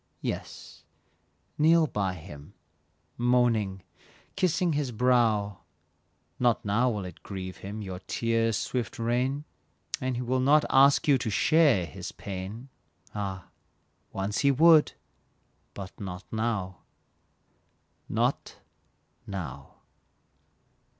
Yes, kneel by him, moaning, kissing his brow, Not now will it grieve him, your tears' swift rain, And he will not ask you to share your pain; Ah! Once he would, but not now not now.